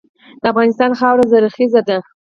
د افغانستان خاوره زرخیزه ده.